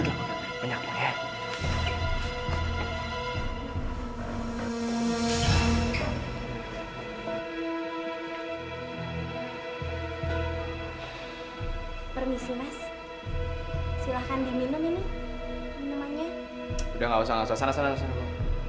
sampai jumpa di video selanjutnya